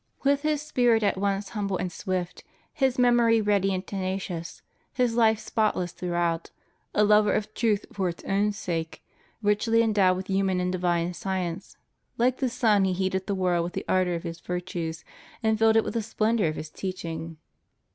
With his spirit at once humble and swift, his memory ready and tenacious, his life spotless throughout, a lover of truth for its own sake, richly endowed with human and divine science, hke the sun he heated the world with the ardor of his virtues and filled it with the splendor of his teaching.